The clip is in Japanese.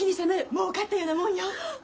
もう勝ったようなもんよ！